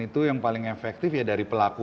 itu yang paling efektif ya dari pelaku